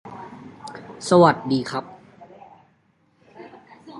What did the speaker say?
- หลอกให้กรอกข้อมูล